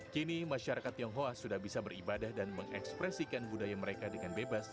kini masyarakat tionghoa sudah bisa beribadah dan mengekspresikan budaya mereka dengan bebas